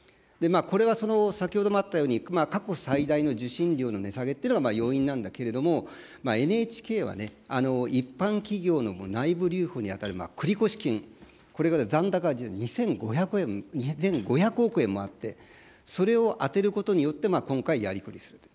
これは先ほどもあったように、過去最大の受信料の値下げというのが要因なんだけれども、ＮＨＫはね、一般企業の内部留保に当たる繰越金、これが残高が２５００億円もあって、それを充てることによって、今回やりくりすると。